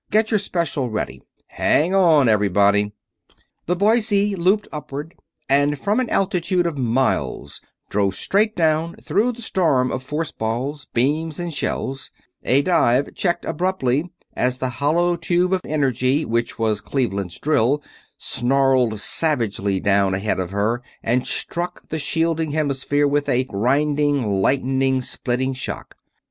Get your special ready. Hang on, everybody!" The Boise looped upward, and from an altitude of miles dove straight down through a storm of force balls, beams, and shells; a dive checked abruptly as the hollow tube of energy which was Cleveland's drill snarled savagely down ahead of her and struck the shielding hemisphere with a grinding, lightning spitting shock.